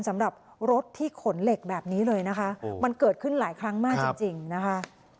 สำหรับรถที่ขนเหล็กแบบนี้เลยนะคะมันเกิดขึ้นหลายครั้งมากจริงนะคะ